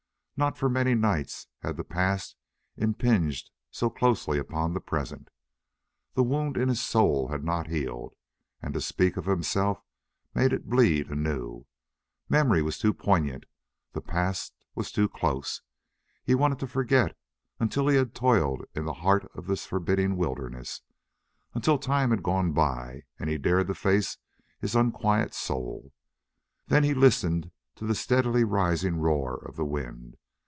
Not for many nights had the past impinged so closely upon the present. The wound in his soul had not healed, and to speak of himself made it bleed anew. Memory was too poignant; the past was too close; he wanted to forget until he had toiled into the heart of this forbidding wilderness until time had gone by and he dared to face his unquiet soul. Then he listened to the steadily rising roar of the wind.